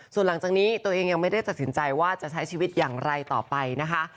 ส่วนหลังจากนี้ตัวเองยังไม่ได้ตัดสินใจว่าจะใช้ชีวิตอย่างไรต่อไปนะคะ